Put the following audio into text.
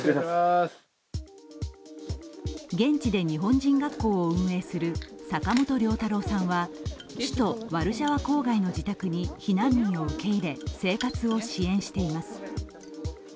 現地で日本人学校を運営する坂本龍太朗さんは首都ワルシャワ郊外の自宅に避難民を受け入れ生活を支援しています。